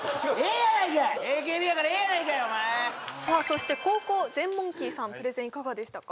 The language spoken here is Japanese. さあそして後攻ゼンモンキーさんプレゼンいかがでしたか？